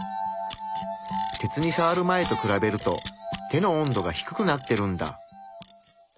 鉄にさわる前と比べると手の温度が低くなってるんだ。